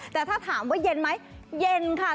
แต่ถ้าถามว่าเย็นไหมเย็นค่ะ